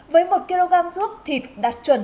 với một kg ruốc thịt đạt chuẩn